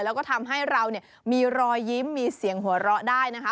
แล้วก็ทำให้เราเนี่ยมีรอยยิ้มมีเสียงหัวเราะได้นะคะ